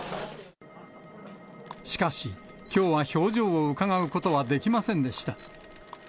しかし、きょうは表情をうかがうことはできませんでした。